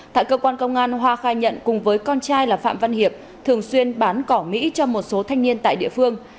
tại cơ quan công an hoa khai nhận cùng với con trai là phạm văn hiệp thường xuyên bán cỏ mỹ cho một số thanh niên tại địa phương